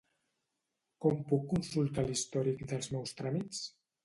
Com puc consultar l'històric dels meus tràmits?